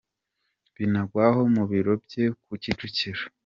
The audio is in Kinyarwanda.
Binagwaho mu biro bye, ku Kicukiro.